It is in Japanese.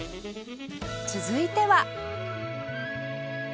続いては